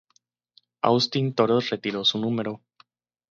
Austin Toros retiro su número.